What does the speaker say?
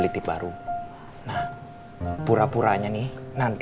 apa sih kalau ada urusan ruth